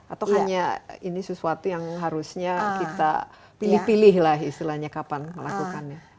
atau hanya ini sesuatu yang harusnya kita pilih pilih lah istilahnya kapan melakukannya